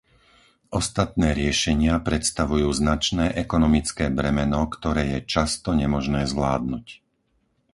Ostatné riešenia predstavujú značné ekonomické bremeno, ktoré je často nemožné zvládnuť.